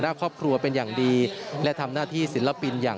และก็มีการกินยาละลายริ่มเลือดแล้วก็ยาละลายขายมันมาเลยตลอดครับ